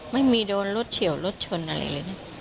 ไม่มีโดนรถเฉียวรถชนอะไรเลยนะ